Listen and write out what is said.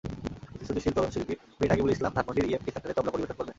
প্রতিশ্রুতিশীল তরুণ শিল্পী মীর নাকিবুল ইসলাম ধানমন্ডির ইএমকে সেন্টারে তবলা পরিবেশন করবেন।